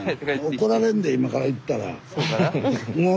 怒られんで今から行ったら。